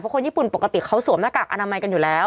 คนญี่ปุ่นปกติเขาสวมหน้ากากอนามัยกันอยู่แล้ว